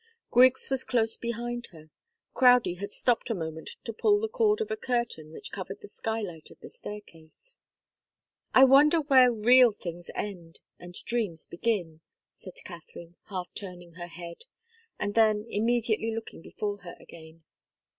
Griggs was close behind her. Crowdie had stopped a moment to pull the cord of a curtain which covered the skylight of the staircase. "I wonder where real things end, and dreams begin!" said Katharine, half turning her head, and then immediately looking before her again.